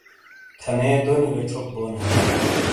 تھنے دونی کا چھوپ بونے ہاں۔